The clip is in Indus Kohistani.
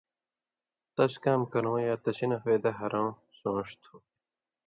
تس کام کرؤں یا تسی نہ فَیدہ ہرؤں سُون٘ݜ تھُو۔